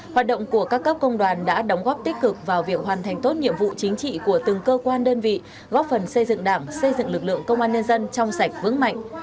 hoạt động của các cấp công đoàn đã đóng góp tích cực vào việc hoàn thành tốt nhiệm vụ chính trị của từng cơ quan đơn vị góp phần xây dựng đảng xây dựng lực lượng công an nhân dân trong sạch vững mạnh